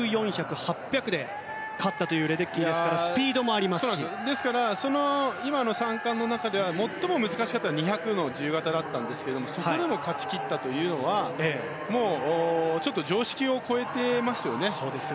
２００、４００、８００で勝ったというレデッキーですからですから今の３冠の中では最も難しかったのは２００の自由形だったんですがそこでも勝ち切ったというのはもう、ちょっと常識を超えてますよね。